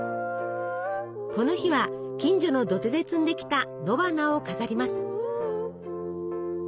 この日は近所の土手で摘んできた野花を飾ります。